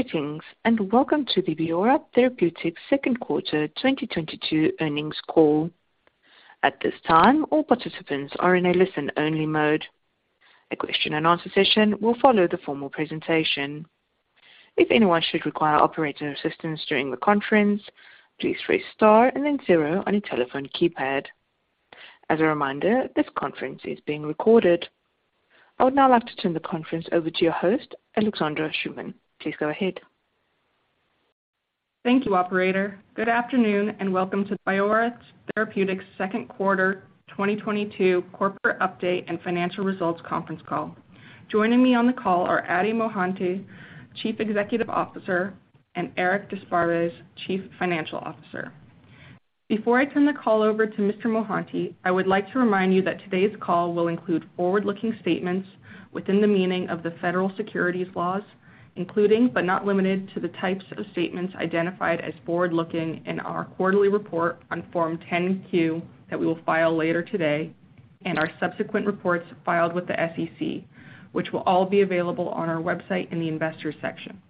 Greetings, and welcome to the Biora Therapeutics second quarter 2022 earnings call. At this time, all participants are in a listen-only mode. A question and answer session will follow the formal presentation. If anyone should require operator assistance during the conference, please press star and then zero on your telephone keypad. As a reminder, this conference is being recorded. I would now like to turn the conference over to your host, Alexandra Schumann. Please go ahead. Thank you, operator. Good afternoon, and welcome to Biora Therapeutics second quarter 2022 corporate update and financial results conference call. Joining me on the call are Adi Mohanty, Chief Executive Officer, and Eric d'Esparbes, Chief Financial Officer. Before I turn the call over to Mr. Mohanty, I would like to remind you that today's call will include forward-looking statements within the meaning of the federal securities laws, including but not limited to the types of statements identified as forward-looking in our quarterly report on Form 10-Q that we will file later today, and our subsequent reports filed with the SEC, which will all be available on our website in the investors section.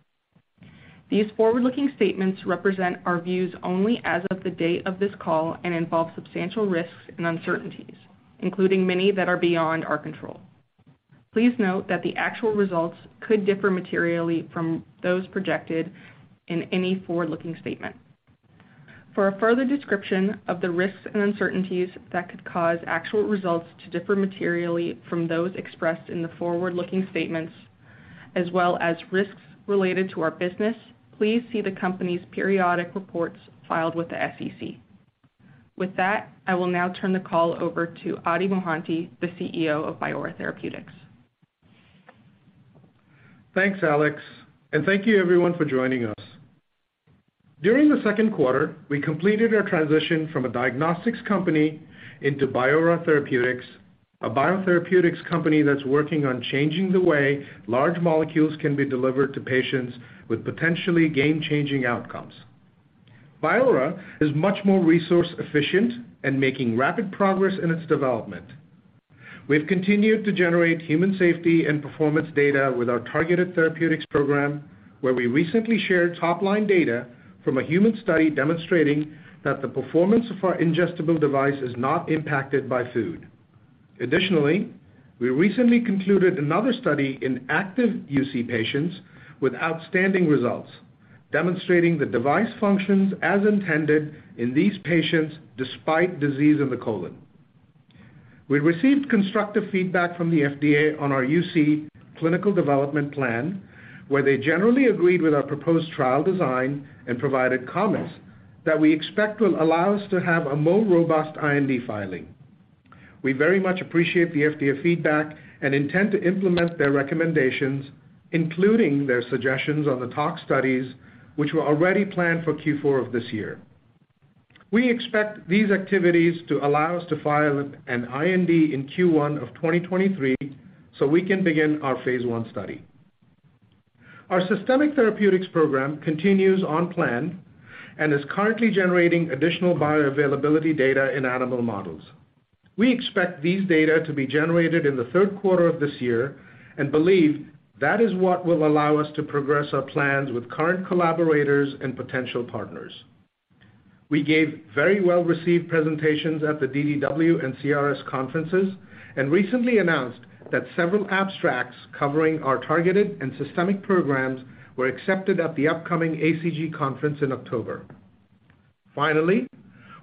These forward-looking statements represent our views only as of the date of this call and involve substantial risks and uncertainties, including many that are beyond our control. Please note that the actual results could differ materially from those projected in any forward-looking statement. For a further description of the risks and uncertainties that could cause actual results to differ materially from those expressed in the forward-looking statements as well as risks related to our business, please see the company's periodic reports filed with the SEC. With that, I will now turn the call over to Aditya Mohanty, the CEO of Biora Therapeutics. Thanks, Alex, and thank you everyone for joining us. During the second quarter, we completed our transition from a diagnostics company into Biora Therapeutics, a biotherapeutics company that's working on changing the way large molecules can be delivered to patients with potentially game-changing outcomes. Biora is much more resource efficient and making rapid progress in its development. We've continued to generate human safety and performance data with our targeted therapeutics program, where we recently shared top-line data from a human study demonstrating that the performance of our ingestible device is not impacted by food. Additionally, we recently concluded another study in active UC patients with outstanding results, demonstrating the device functions as intended in these patients despite disease in the colon. We received constructive feedback from the FDA on our UC clinical development plan, where they generally agreed with our proposed trial design and provided comments that we expect will allow us to have a more robust IND filing. We very much appreciate the FDA feedback and intend to implement their recommendations, including their suggestions on the tox studies, which were already planned for Q4 of this year. We expect these activities to allow us to file an IND in Q1 of 2023 so we can begin our Phase I study. Our Systemic Therapeutics Platform continues on plan and is currently generating additional bioavailability data in animal models. We expect these data to be generated in the third quarter of this year and believe that is what will allow us to progress our plans with current collaborators and potential partners. We gave very well-received presentations at the DDW and CRS conferences and recently announced that several abstracts covering our targeted and systemic programs were accepted at the upcoming ACG conference in October. Finally,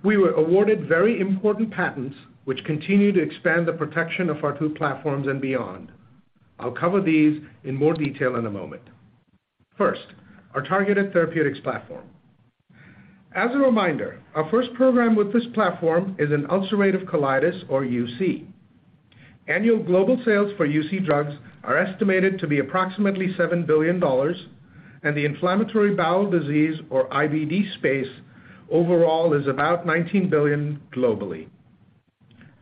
we were awarded very important patents, which continue to expand the protection of our two platforms and beyond. I'll cover these in more detail in a moment. First, our targeted therapeutics platform. As a reminder, our first program with this platform is in ulcerative colitis or UC. Annual global sales for UC drugs are estimated to be approximately $7 billion, and the inflammatory bowel disease or IBD space overall is about $19 billion globally.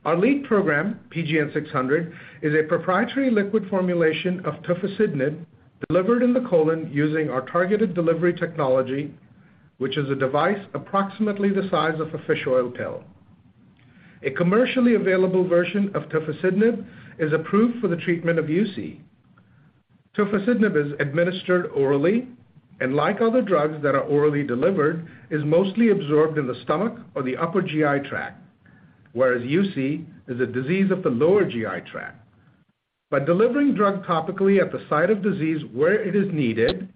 Our lead program, PGN600, is a proprietary liquid formulation of tofacitinib delivered in the colon using our targeted delivery technology, which is a device approximately the size of a fish oil pill. A commercially available version of tofacitinib is approved for the treatment of UC. Tofacitinib is administered orally, and like other drugs that are orally delivered, is mostly absorbed in the stomach or the upper GI tract, whereas UC is a disease of the lower GI tract. By delivering drug topically at the site of disease where it is needed,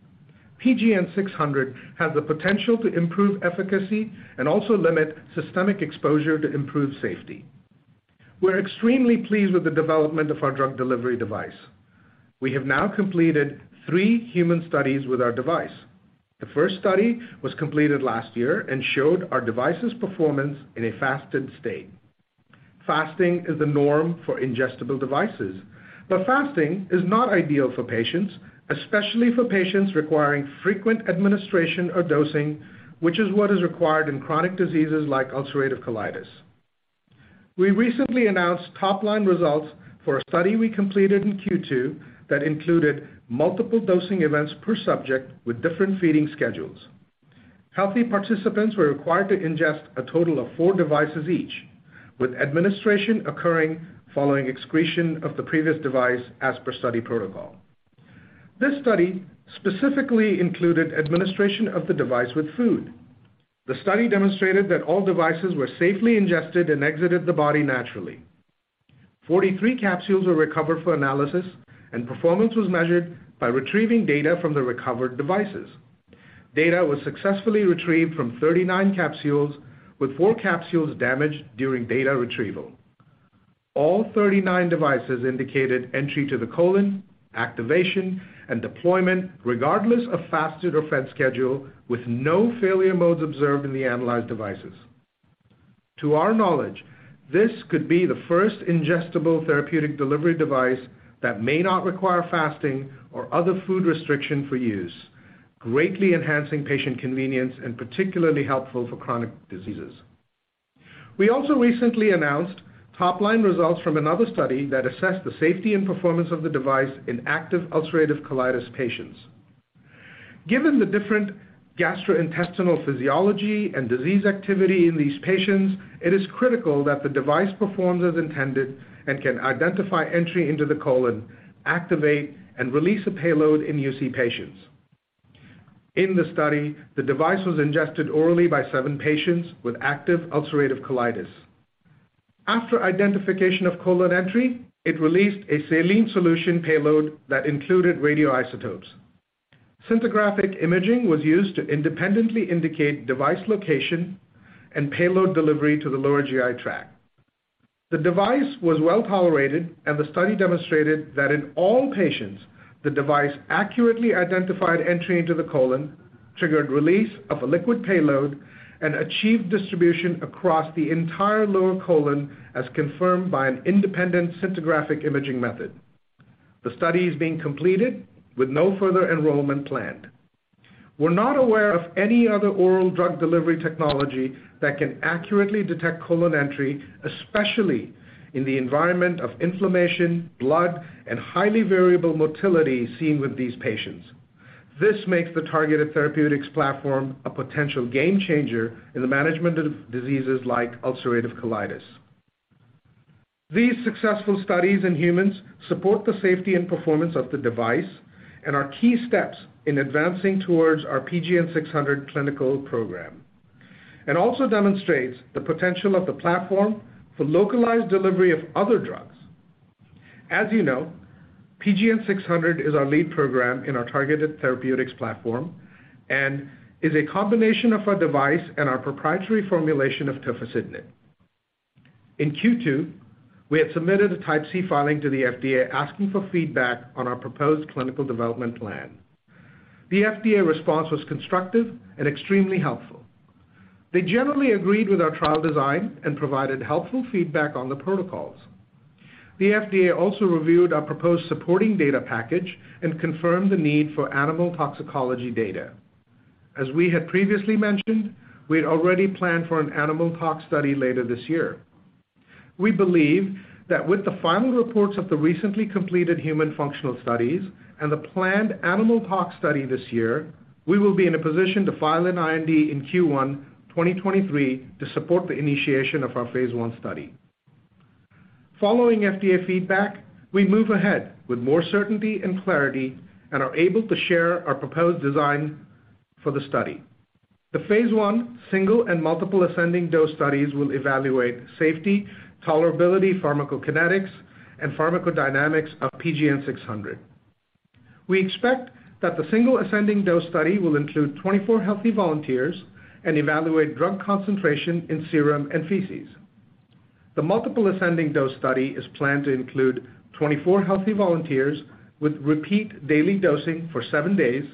PGN-600 has the potential to improve efficacy and also limit systemic exposure to improve safety. We're extremely pleased with the development of our drug delivery device. We have now completed three human studies with our device. The first study was completed last year and showed our device's performance in a fasted state. Fasting is the norm for ingestible devices, but fasting is not ideal for patients, especially for patients requiring frequent administration or dosing, which is what is required in chronic diseases like ulcerative colitis. We recently announced top-line results for a study we completed in Q2 that included multiple dosing events per subject with different feeding schedules. Healthy participants were required to ingest a total of four devices each, with administration occurring following excretion of the previous device as per study protocol. This study specifically included administration of the device with food. The study demonstrated that all devices were safely ingested and exited the body naturally. 43 capsules were recovered for analysis, and performance was measured by retrieving data from the recovered devices. Data was successfully retrieved from 39 capsules, with four capsules damaged during data retrieval. All 39 devices indicated entry to the colon, activation, and deployment regardless of fasted or fed schedule, with no failure modes observed in the analyzed devices. To our knowledge, this could be the first ingestible therapeutic delivery device that may not require fasting or other food restriction for use, greatly enhancing patient convenience and particularly helpful for chronic diseases. We also recently announced top-line results from another study that assessed the safety and performance of the device in active ulcerative colitis patients. Given the different gastrointestinal physiology and disease activity in these patients, it is critical that the device performs as intended and can identify entry into the colon, activate, and release a payload in UC patients. In the study, the device was ingested orally by seven patients with active ulcerative colitis. After identification of colon entry, it released a saline solution payload that included radioisotopes. Scintigraphic imaging was used to independently indicate device location and payload delivery to the lower GI tract. The device was well-tolerated, and the study demonstrated that in all patients, the device accurately identified entry into the colon, triggered release of a liquid payload, and achieved distribution across the entire lower colon, as confirmed by an independent scintigraphic imaging method. The study is being completed with no further enrollment planned. We're not aware of any other oral drug delivery technology that can accurately detect colon entry, especially in the environment of inflammation, blood, and highly variable motility seen with these patients. This makes the Targeted Therapeutics Platform a potential game changer in the management of diseases like ulcerative colitis. These successful studies in humans support the safety and performance of the device and are key steps in advancing towards our PGN600 clinical program, and also demonstrates the potential of the platform for localized delivery of other drugs. As you know, PGN-600 is our lead program in our Targeted Therapeutics Platform and is a combination of our device and our proprietary formulation of tofacitinib. In Q2, we had submitted a Type C filing to the FDA asking for feedback on our proposed clinical development plan. The FDA response was constructive and extremely helpful. They generally agreed with our trial design and provided helpful feedback on the protocols. The FDA also reviewed our proposed supporting data package and confirmed the need for animal toxicology data. As we had previously mentioned, we had already planned for an animal tox study later this year. We believe that with the final reports of the recently completed human functional studies and the planned animal tox study this year, we will be in a position to file an IND in Q1 2023 to support the initiation of our Phase I study. Following FDA feedback, we move ahead with more certainty and clarity and are able to share our proposed design for the study. The Phase I single and multiple ascending dose studies will evaluate safety, tolerability, pharmacokinetics, and pharmacodynamics of PGN600. We expect that the single ascending dose study will include 24 healthy volunteers and evaluate drug concentration in serum and feces. The multiple ascending dose study is planned to include 24 healthy volunteers with repeat daily dosing for seven days.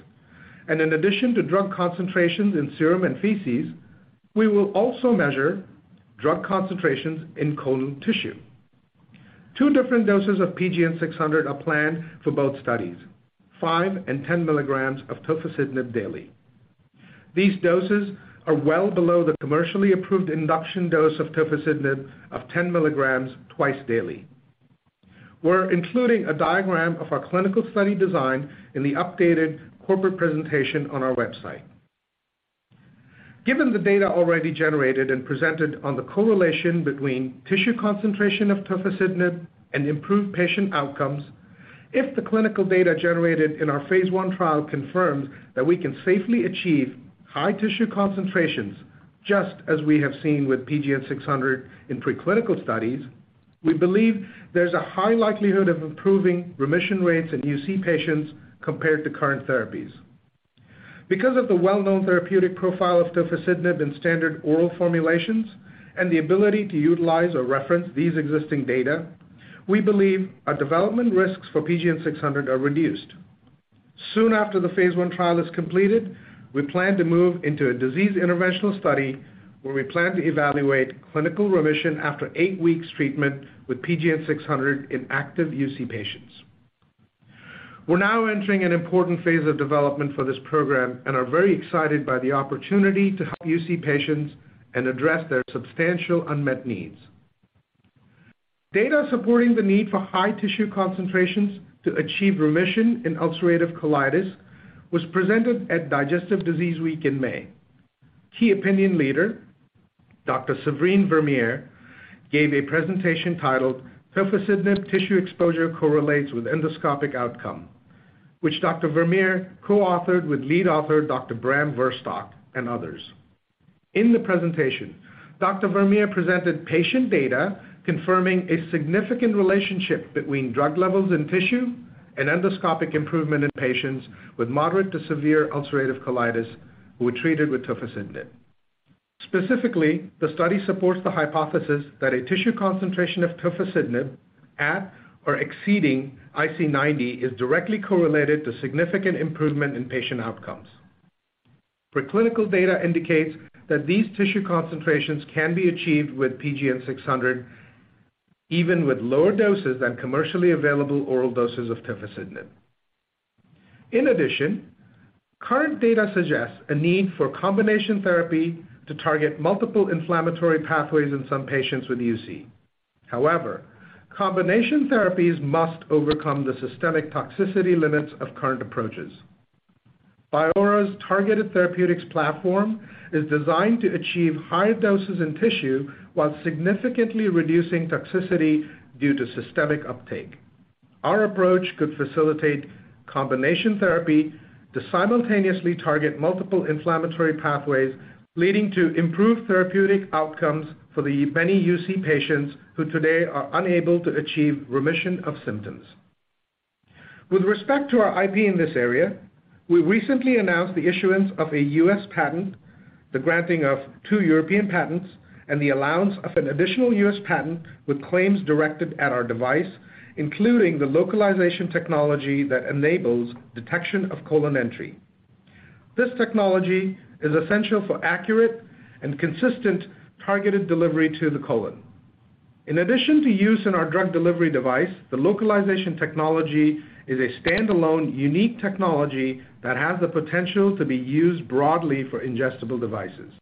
In addition to drug concentrations in serum and feces, we will also measure drug concentrations in colon tissue. Two different doses of PGN600 are planned for both studies, 5 mg and 10 mg of tofacitinib daily. These doses are well below the commercially approved induction dose of tofacitinib of 10 mg twice daily. We're including a diagram of our clinical study design in the updated corporate presentation on our website. Given the data already generated and presented on the correlation between tissue concentration of tofacitinib and improved patient outcomes, if the clinical data generated in our Phase I trial confirms that we can safely achieve high tissue concentrations, just as we have seen with PGN-600 in preclinical studies, we believe there's a high likelihood of improving remission rates in UC patients compared to current therapies. Because of the well-known therapeutic profile of tofacitinib in standard oral formulations and the ability to utilize or reference these existing data, we believe our development risks for PGN-600 are reduced. Soon after the Phase I trial is completed, we plan to move into a disease interventional study where we plan to evaluate clinical remission after eight weeks treatment with PGN-600 in active UC patients. We're now entering an important Phase of development for this program and are very excited by the opportunity to help UC patients and address their substantial unmet needs. Data supporting the need for high tissue concentrations to achieve remission in ulcerative colitis was presented at Digestive Disease Week in May. Key opinion leader, Dr. Séverine Vermeire, gave a presentation titled Tofacitinib Tissue Exposure Correlates with Endoscopic Outcome, which Dr. Vermeire co-authored with lead author Dr. Bram Verstockt and others. In the presentation, Dr. Vermeire presented patient data confirming a significant relationship between drug levels in tissue and endoscopic improvement in patients with moderate to severe ulcerative colitis who were treated with tofacitinib. Specifically, the study supports the hypothesis that a tissue concentration of tofacitinib at or exceeding IC90 is directly correlated to significant improvement in patient outcomes. Preclinical data indicates that these tissue concentrations can be achieved with PGN600, even with lower doses than commercially available oral doses of tofacitinib. In addition, current data suggests a need for combination therapy to target multiple inflammatory pathways in some patients with UC. However, combination therapies must overcome the systemic toxicity limits of current approaches. Biora's targeted therapeutics platform is designed to achieve higher doses in tissue while significantly reducing toxicity due to systemic uptake. Our approach could facilitate combination therapy to simultaneously target multiple inflammatory pathways, leading to improved therapeutic outcomes for the many UC patients who today are unable to achieve remission of symptoms. With respect to our IP in this area, we recently announced the issuance of a U.S. patent, the granting of two European patents, and the allowance of an additional U.S. patent with claims directed at our device, including the localization technology that enables detection of colon entry. This technology is essential for accurate and consistent targeted delivery to the colon. In addition to use in our drug delivery device, the localization technology is a standalone unique technology that has the potential to be used broadly for ingestible devices.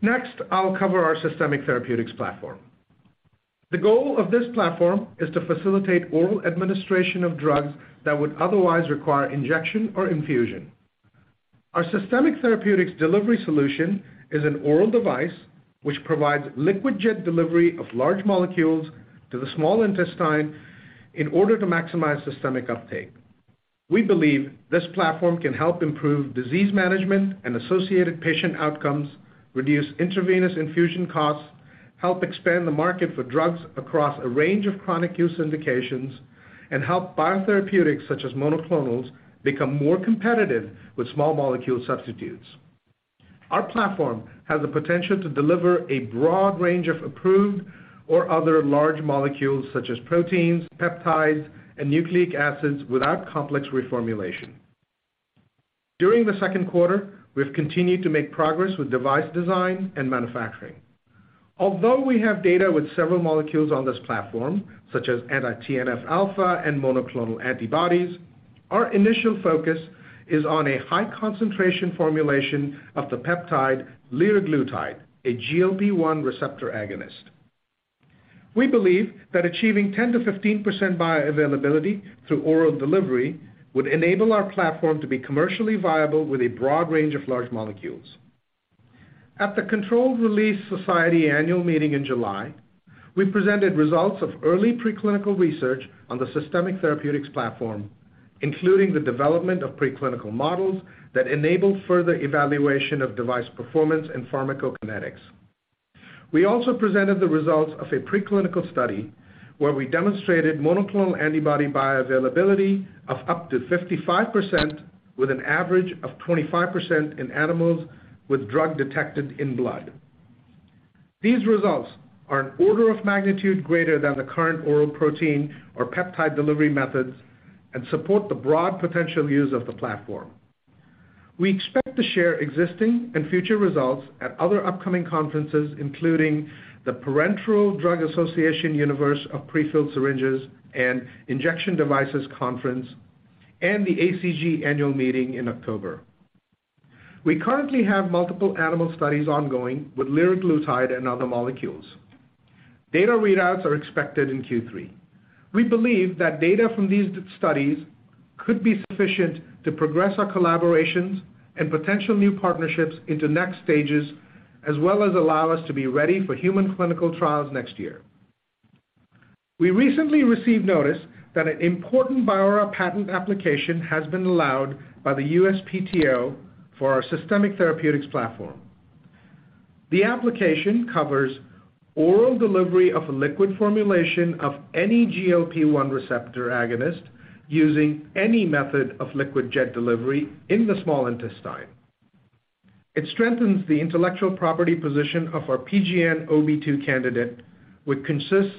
Next, I'll cover our systemic therapeutics platform. The goal of this platform is to facilitate oral administration of drugs that would otherwise require injection or infusion. Our systemic therapeutics delivery solution is an oral device which provides liquid jet delivery of large molecules to the small intestine in order to maximize systemic uptake. We believe this platform can help improve disease management and associated patient outcomes, reduce intravenous infusion costs, help expand the market for drugs across a range of chronic use indications, and help biotherapeutics such as monoclonals become more competitive with small molecule substitutes. Our platform has the potential to deliver a broad range of approved or other large molecules such as proteins, peptides, and nucleic acids without complex reformulation. During the second quarter, we have continued to make progress with device design and manufacturing. Although we have data with several molecules on this platform, such as anti-TNF alpha and monoclonal antibodies, our initial focus is on a high concentration formulation of the peptide liraglutide, a GLP-1 receptor agonist. We believe that achieving 10%-15% bioavailability through oral delivery would enable our platform to be commercially viable with a broad range of large molecules. At the Controlled Release Society annual meeting in July, we presented results of early preclinical research on the Systemic Therapeutics Platform, including the development of preclinical models that enable further evaluation of device performance and pharmacokinetics. We also presented the results of a preclinical study where we demonstrated monoclonal antibody bioavailability of up to 55% with an average of 25% in animals with drug detected in blood. These results are an order of magnitude greater than the current oral protein or peptide delivery methods and support the broad potential use of the platform. We expect to share existing and future results at other upcoming conferences, including the Parenteral Drug Association Universe of Prefilled Syringes and Injection Devices conference and the ACG annual meeting in October. We currently have multiple animal studies ongoing with liraglutide and other molecules. Data readouts are expected in Q3. We believe that data from these studies could be sufficient to progress our collaborations and potential new partnerships into next stages, as well as allow us to be ready for human clinical trials next year. We recently received notice that an important Biora patent application has been allowed by the USPTO for our Systemic Therapeutics Platform. The application covers oral delivery of a liquid formulation of any GLP-1 receptor agonist using any method of liquid jet delivery in the small intestine. It strengthens the intellectual property position of our PGN-OB2 candidate, which consists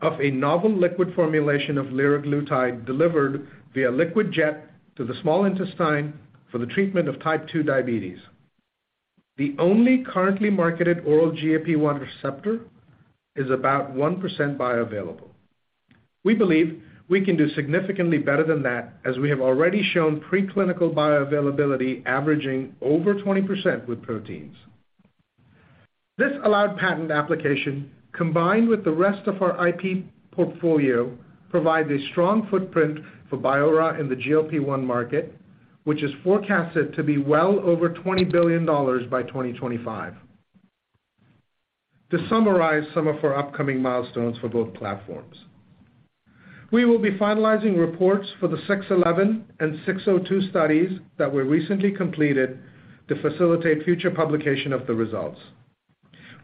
of a novel liquid formulation of liraglutide delivered via liquid jet to the small intestine for the treatment of type 2 diabetes. The only currently marketed oral GLP-1 receptor is about 1% bioavailable. We believe we can do significantly better than that as we have already shown preclinical bioavailability averaging over 20% with proteins. This allowed patent application, combined with the rest of our IP portfolio, provide a strong footprint for Biora in the GLP-1 market, which is forecasted to be well over $20 billion by 2025. To summarize some of our upcoming milestones for both platforms. We will be finalizing reports for the 611 and 602 studies that were recently completed to facilitate future publication of the results.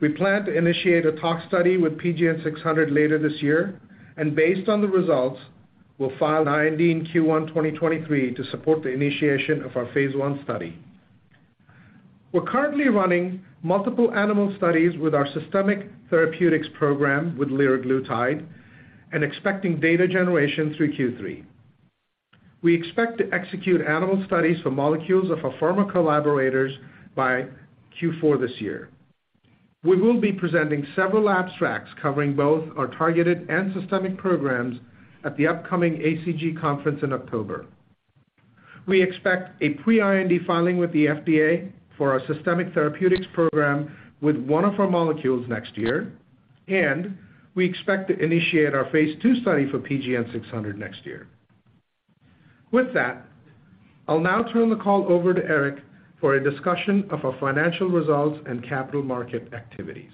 We plan to initiate a tox study with PGN-600 later this year, and based on the results, we'll file IND in Q1 2023 to support the initiation of our Phase I study. We're currently running multiple animal studies with our systemic therapeutics program with liraglutide and expecting data generation through Q3. We expect to execute animal studies for molecules of our pharma collaborators by Q4 this year. We will be presenting several abstracts covering both our targeted and systemic programs at the upcoming ACG conference in October. We expect a pre-IND filing with the FDA for our systemic therapeutics program with one of our molecules next year, and we expect to initiate our Phase II study for PGN600 next year. With that, I'll now turn the call over to Eric for a discussion of our financial results and capital market activities.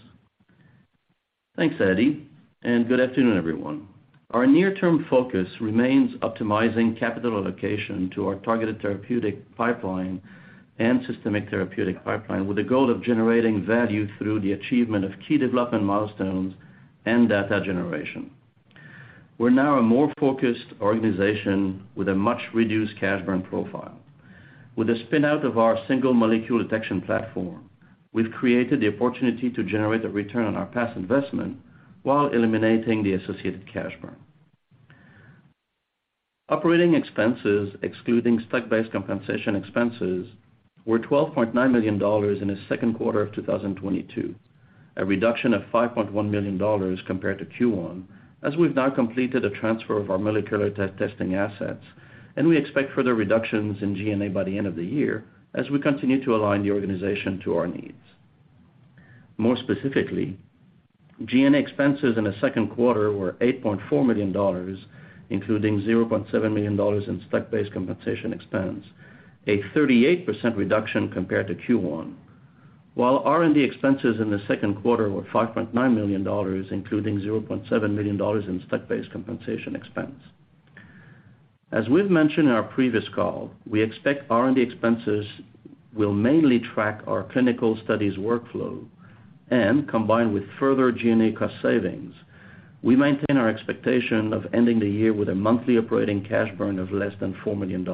Thanks, Aditya, and good afternoon, everyone. Our near-term focus remains optimizing capital allocation to our Targeted Therapeutics Platform and Systemic Therapeutics Platform with the goal of generating value through the achievement of key development milestones and data generation. We're now a more focused organization with a much reduced cash burn profile. With the spin-out of our single-molecule detection platform, we've created the opportunity to generate a return on our past investment while eliminating the associated cash burn. Operating expenses excluding stock-based compensation expenses were $12.9 million in the second quarter of 2022, a reduction of $5.1 million compared to Q1, as we've now completed a transfer of our molecular testing assets, and we expect further reductions in G&A by the end of the year as we continue to align the organization to our needs. More specifically, G&A expenses in the second quarter were $8.4 million, including $0.7 million in stock-based compensation expense, a 38% reduction compared to Q1. While R&D expenses in the second quarter were $5.9 million, including $0.7 million in stock-based compensation expense. As we've mentioned in our previous call, we expect R&D expenses will mainly track our clinical studies workflow and combined with further G&A cost savings. We maintain our expectation of ending the year with a monthly operating cash burn of less than $4 million.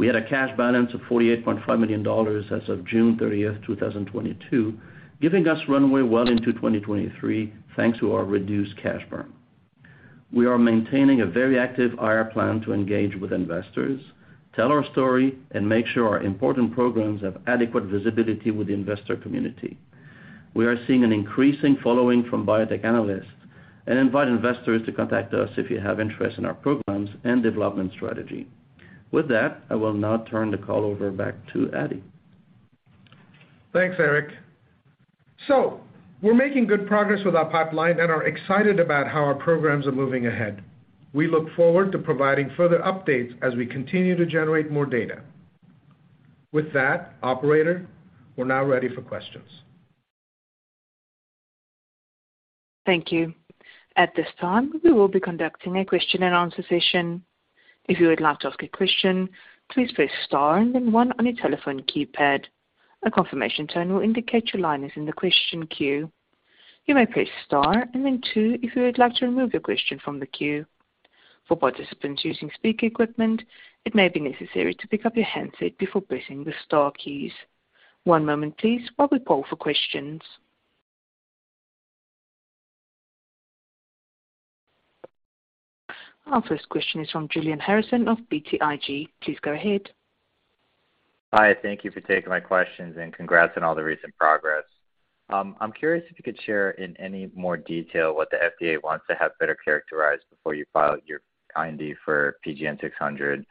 We had a cash balance of $48.5 million as of June 30, 2022, giving us runway well into 2023, thanks to our reduced cash burn. We are maintaining a very active IR plan to engage with investors, tell our story, and make sure our important programs have adequate visibility with the investor community. We are seeing an increasing following from biotech analysts and invite investors to contact us if you have interest in our programs and development strategy. With that, I will now turn the call over back to Addy. Thanks, Eric. We're making good progress with our pipeline and are excited about how our programs are moving ahead. We look forward to providing further updates as we continue to generate more data. With that, operator, we're now ready for questions. Thank you. At this time, we will be conducting a question and answer session. If you would like to ask a question, please press star and then one on your telephone keypad. A confirmation tone will indicate your line is in the question queue. You may press star and then two if you would like to remove your question from the queue. For participants using speaker equipment, it may be necessary to pick up your handset before pressing the star keys. One moment please while we poll for questions. Our first question is from Julian Harrison of BTIG. Please go ahead. Hi. Thank you for taking my questions, and congrats on all the recent progress. I'm curious if you could share in any more detail what the FDA wants to have better characterized before you file your IND for PGN-600.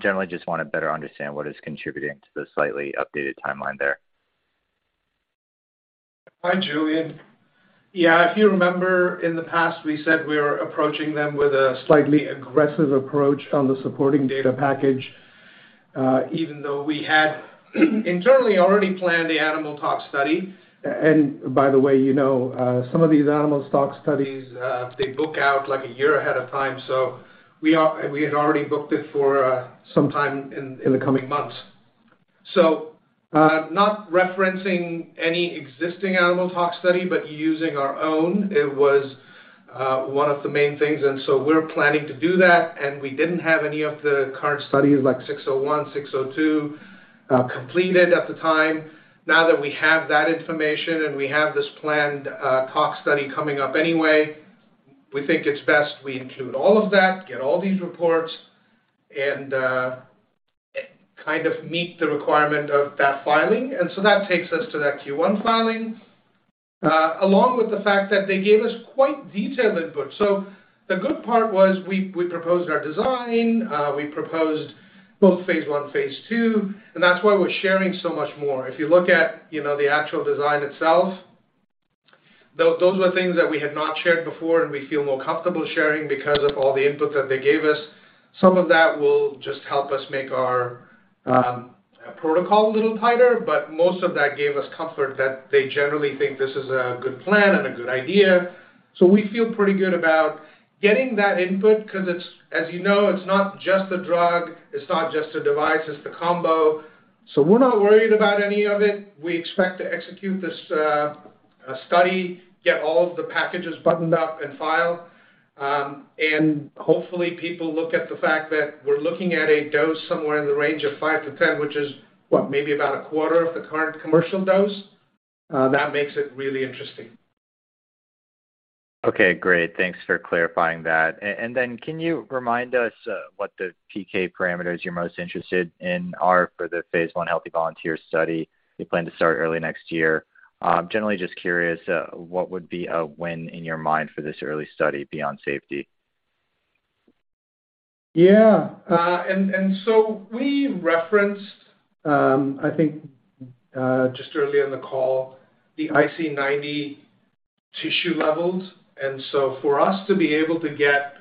Generally, just wanna better understand what is contributing to the slightly updated timeline there. Hi, Julian. Yeah, if you remember in the past, we said we were approaching them with a slightly aggressive approach on the supporting data package, even though we had internally already planned the animal tox study. By the way, you know, some of these animal tox studies, they book out like a year ahead of time, so we had already booked it for some time in the coming months. Not referencing any existing animal tox study, but using our own, it was one of the main things, and so we're planning to do that, and we didn't have any of the current studies like 601, 602 completed at the time. Now that we have that information and we have this planned tox study coming up anyway, we think it's best we include all of that, get all these reports, and kind of meet the requirement of that filing. That takes us to that Q1 filing along with the fact that they gave us quite detailed input. The good part was we proposed our design, we proposed both Phase I, Phase II, and that's why we're sharing so much more. If you look at, you know, the actual design itself, those were things that we had not shared before and we feel more comfortable sharing because of all the input that they gave us. Some of that will just help us make our protocol a little tighter, but most of that gave us comfort that they generally think this is a good plan and a good idea. We feel pretty good about getting that input 'cause it's, as you know, it's not just the drug, it's not just the device, it's the combo. We're not worried about any of it. We expect to execute this study, get all of the packages buttoned up and filed. Hopefully people look at the fact that we're looking at a dose somewhere in the range of 5-10, which is, what, maybe about a quarter of the current commercial dose. That makes it really interesting. Okay, great. Thanks for clarifying that. Can you remind us what the PK parameters you're most interested in are for the Phase one healthy volunteer study you plan to start early next year? Generally just curious what would be a win in your mind for this early study beyond safety? We referenced, I think, just earlier in the call, the IC90 tissue levels. For us to be able to get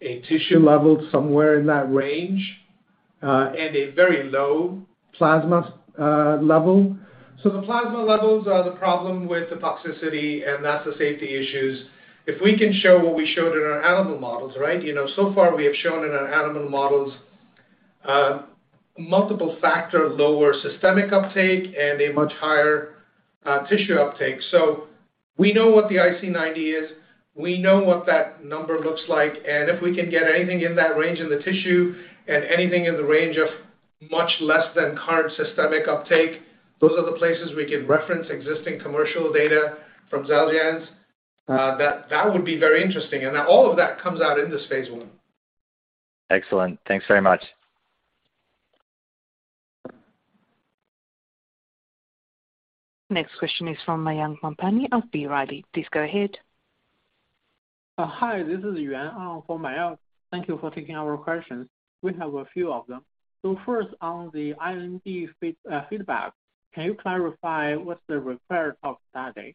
a tissue level somewhere in that range and a very low plasma level. The plasma levels are the problem with the toxicity, and that's the safety issues. If we can show what we showed in our animal models, right? You know, so far we have shown in our animal models multiple factor lower systemic uptake and a much higher tissue uptake. We know what the IC90 is. We know what that number looks like, and if we can get anything in that range in the tissue and anything in the range of much less than current systemic uptake, those are the places we can reference existing commercial data from Xeljanz. That would be very interesting. All of that comes out in this Phase I. Excellent. Thanks very much. Next question is from Mayank Mamtani of B. Riley. Please go ahead. Hi. This is Yuan Zhi from Mayank. Thank you for taking our questions. We have a few of them. First, on the IND feedback, can you clarify what's the required toxicology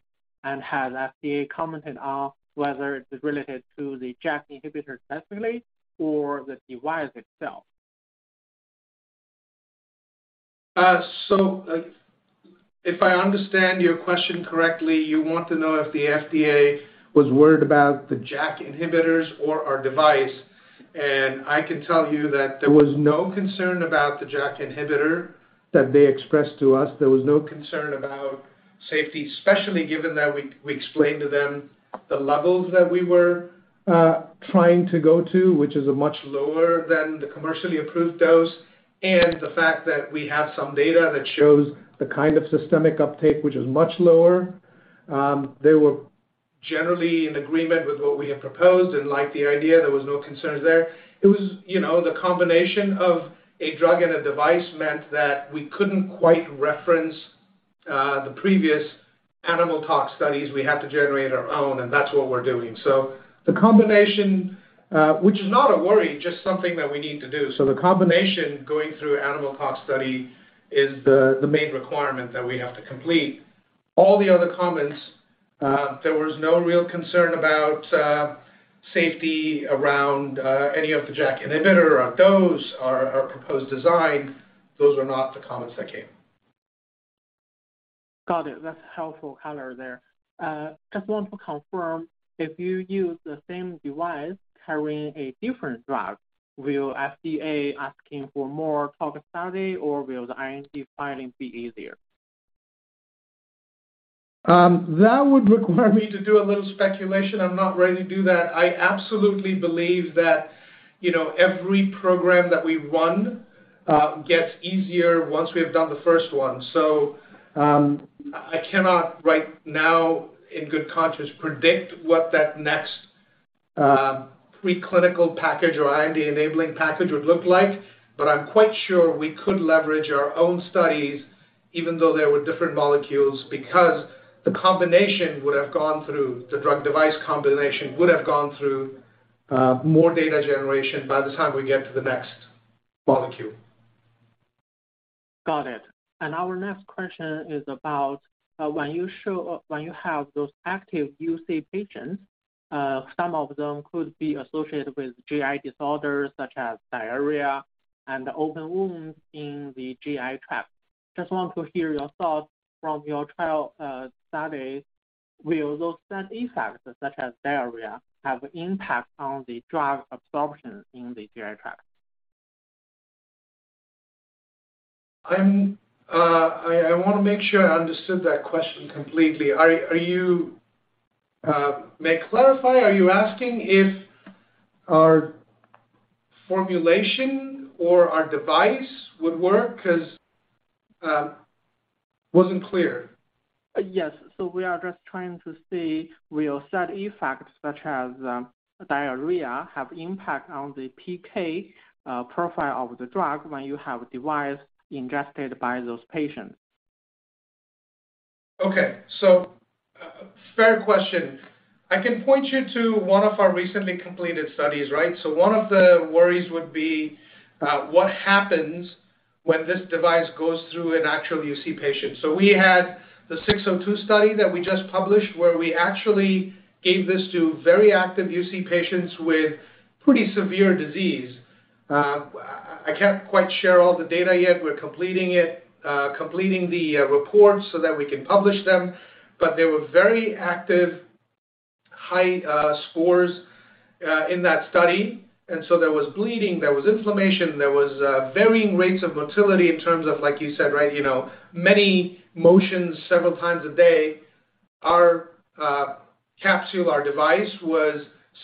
study? And has FDA commented on whether it's related to the JAK inhibitor specifically or the device itself? If I understand your question correctly, you want to know if the FDA was worried about the JAK inhibitors or our device, and I can tell you that there was no concern about the JAK inhibitor that they expressed to us. There was no concern about safety, especially given that we explained to them the levels that we were trying to go to, which are much lower than the commercially approved dose, and the fact that we have some data that shows the kind of systemic uptake, which is much lower. They were generally in agreement with what we had proposed and liked the idea. There was no concerns there. It was, you know, the combination of a drug and a device meant that we couldn't quite reference the previous animal tox studies. We had to generate our own, and that's what we're doing. The combination, which is not a worry, just something that we need to do. The combination going through animal toxicology study is the main requirement that we have to complete. All the other comments, there was no real concern about safety around any of the JAK inhibitor or a dose or our proposed design. Those are not the comments that came. Got it. That's helpful color there. Just want to confirm, if you use the same device carrying a different drug, will FDA asking for more toxicology study or will the IND filing be easier? That would require me to do a little speculation. I'm not ready to do that. I absolutely believe that, you know, every program that we run, gets easier once we have done the first one. I cannot right now in good conscience predict what that next, pre-clinical package or IND-enabling package would look like. But I'm quite sure we could leverage our own studies, even though they were different molecules, because the combination would have gone through, the drug device combination would have gone through, more data generation by the time we get to the next molecule. Got it. Our next question is about when you have those active UC patients, some of them could be associated with GI disorders such as diarrhea and open wounds in the GI tract. Just want to hear your thoughts from your trial studies. Will those side effects such as diarrhea have impact on the drug absorption in the GI tract? I wanna make sure I understood that question completely. Are you? May I clarify, are you asking if our formulation or our device would work? 'Cause wasn't clear? Yes. We are just trying to see will side effects such as diarrhea have impact on the PK profile of the drug when you have device ingested by those patients. Okay. Fair question. I can point you to one of our recently completed studies, right? One of the worries would be what happens when this device goes through an actual UC patient. We had the PM-602 study that we just published, where we actually gave this to very active UC patients with pretty severe disease. I can't quite share all the data yet. We're completing the reports so that we can publish them. They were very active, high scores in that study. There was bleeding, there was inflammation, there was varying rates of motility in terms of like you said, right, you know, many motions several times a day. Our capsule, our device, was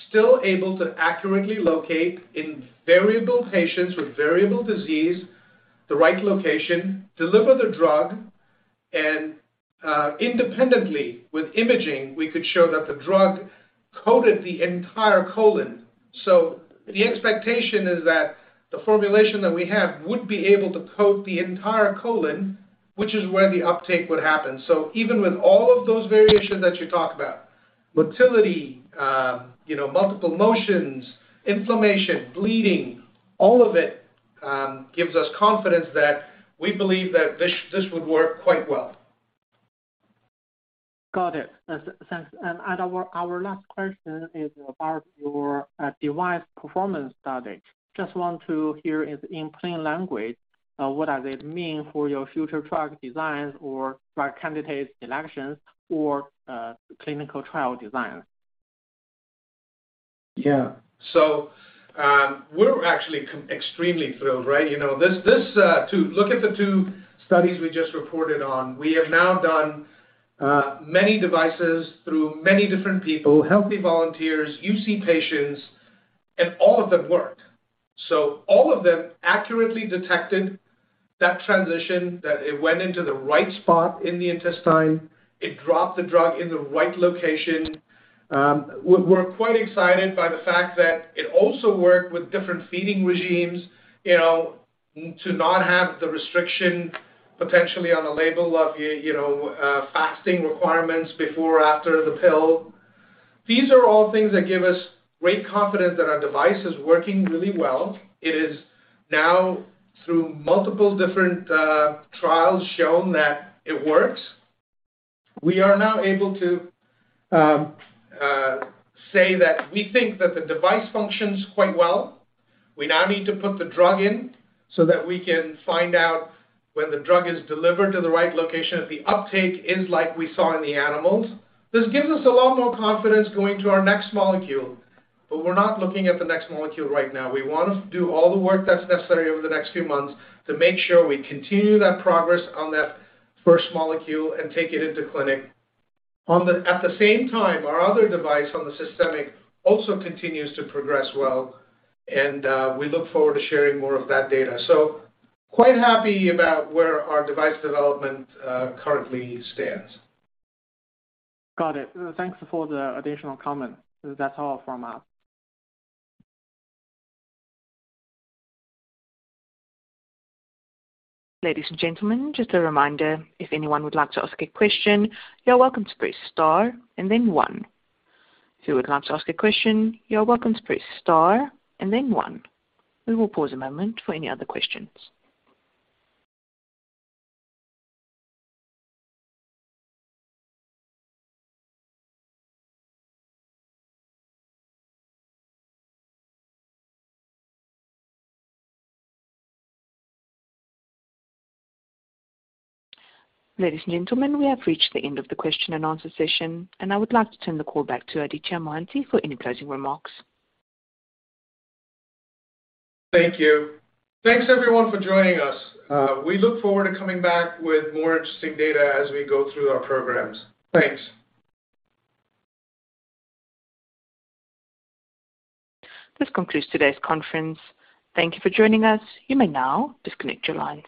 still able to accurately locate in variable patients with variable disease the right location, deliver the drug, and independently with imaging, we could show that the drug coated the entire colon. The expectation is that the formulation that we have would be able to coat the entire colon, which is where the uptake would happen. Even with all of those variations that you talked about, motility, you know, multiple motions, inflammation, bleeding, all of it, gives us confidence that we believe that this would work quite well. Got it. Thanks. Our last question is about your device performance study. Just want to hear is in plain language what does it mean for your future drug designs or drug candidate selections or clinical trial designs? Yeah. We're actually extremely thrilled, right? You know, look at the two studies we just reported on. We have now done many devices through many different people, healthy volunteers, UC patients, and all of them worked. All of them accurately detected that transition, that it went into the right spot in the intestine. It dropped the drug in the right location. We're quite excited by the fact that it also worked with different feeding regimes, you know, to not have the restriction potentially on the label of, you know, fasting requirements before or after the pill. These are all things that give us great confidence that our device is working really well. It is now through multiple different trials shown that it works. We are now able to say that we think that the device functions quite well. We now need to put the drug in so that we can find out when the drug is delivered to the right location if the uptake is like we saw in the animals. This gives us a lot more confidence going to our next molecule, but we're not looking at the next molecule right now. We want to do all the work that's necessary over the next few months to make sure we continue that progress on that first molecule and take it into clinic. At the same time, our other device on the systemic also continues to progress well, and we look forward to sharing more of that data. Quite happy about where our device development currently stands. Got it. Thanks for the additional comment. That's all from us. Ladies and gentlemen, just a reminder, if anyone would like to ask a question, you're welcome to press star and then one. If you would like to ask a question, you're welcome to press star and then one. We will pause a moment for any other questions. Ladies and gentlemen, we have reached the end of the question and answer session, and I would like to turn the call back to Aditya Mohanty for any closing remarks. Thank you. Thanks everyone for joining us. We look forward to coming back with more interesting data as we go through our programs. Thanks. This concludes today's conference. Thank you for joining us. You may now disconnect your line.